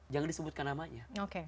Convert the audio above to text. jangan disebutkan namanya